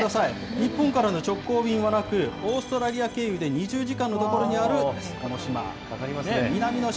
日本からの直行便はなく、オーストラリア経由で２０時間の所にあるこの島。